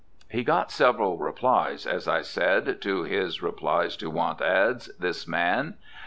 He got several replies, as I said, to his replies to want "ads," this man.